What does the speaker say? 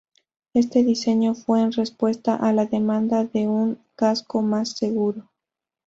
Este diseño fue en respuesta a la demanda de un casco más seguro.